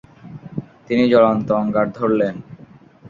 তিনি জ্বলন্ত অঙ্গার ধরলেন।